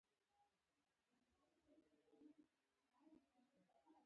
د قلندر صاحب سوانح ليکونکي وايي.